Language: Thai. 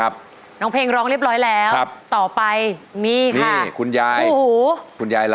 บทเรียนสุดท้าย